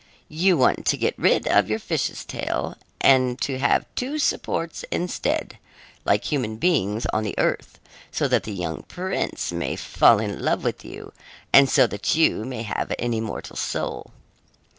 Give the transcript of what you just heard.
You want to get rid of your fish's tail and to have two supports instead, like human beings on earth, so that the young prince may fall in love with you and so that you may have an immortal soul."